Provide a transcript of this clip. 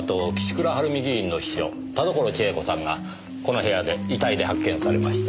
倉治美議員の秘書田所千枝子さんがこの部屋で遺体で発見されました。